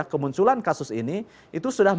kemunculan kasus ini itu sudah